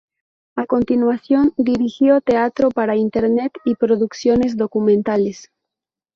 A continuación dirigió teatro para Internet y producciones documentales.